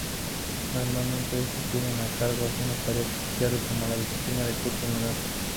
Normalmente estos tienen a cargo algunas tareas especiales, como la disciplina de cursos menores.